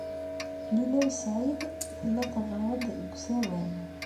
Lila u Saɛid tella teɣɣar-d deg usawal.